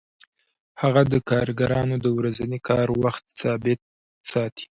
هغه د کارګرانو د ورځني کار وخت ثابت ساتي